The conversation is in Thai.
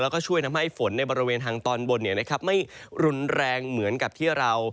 แล้วก็ช่วยทำให้ฝนในบริเวณทางตอนบนไม่รุนแรงเหมือนกับที่เรา